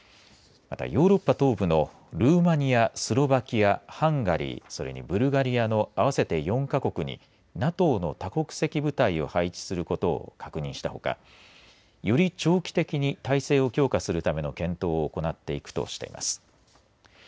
また、ヨーロッパ東部のルーマニアスロバキア、ハンガリーそれにブルガリアの合わせて４か国にＮＡＴＯの多国籍部隊を配置することを確認したほかより長期的に態勢を強化するための検討を行っていくとしています。